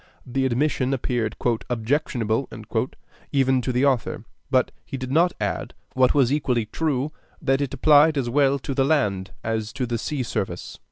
The admission appeared "objectionable" even to the author; but he did not add, what was equally true, that it applied as well to the land as to the sea service.